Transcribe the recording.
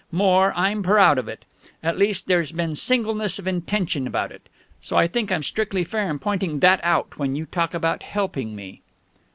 More, I'm proud of it. At least, there's been singleness of intention about it. So I think I'm strictly fair in pointing that out when you talk about helping me."